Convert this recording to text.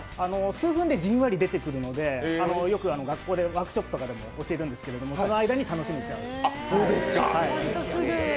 数分でじんわり出てくるのでよく学校でワークショップでも教えるんですけど、その間に楽しめちゃう。